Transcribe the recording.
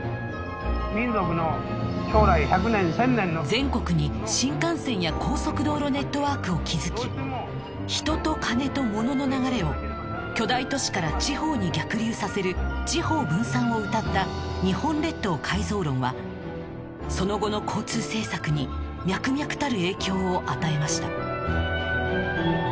全国に新幹線や高速道路ネットワークを築き人と金と物の流れを巨大都市から地方に逆流させる地方分散をうたった「日本列島改造論」はその後の交通政策に脈々たる影響を与えました